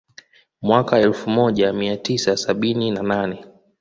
Mwaka elfu moja mia tisa sabini na nane